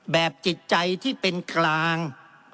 จิตใจที่เป็นกลาง